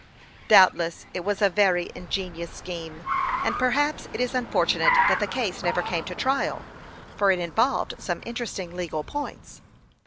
Doubtless it was a very ingenious scheme, and per haps it is unfortunate that the case never came to trial, for it involved some interesting legal points.